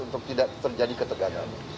untuk tidak terjadi ketegangan